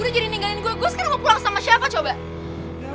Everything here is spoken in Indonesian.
gue jadi ninggalin gue gue sekarang mau pulang sama siapa coba